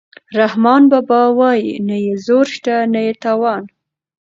رحمان بابا وايي نه یې زور شته نه یې توان.